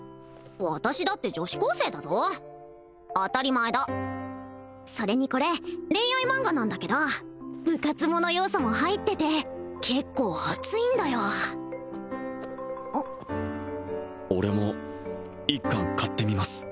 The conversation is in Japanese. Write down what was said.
私だって女子高生だぞ当たり前だそれにこれ恋愛マンガなんだけど部活もの要素も入ってて結構アツいんだよ俺も一巻買ってみます